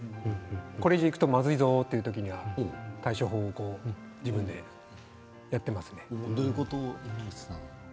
これ以上いくとまずいぞという時には、対処法自分でやっていますね。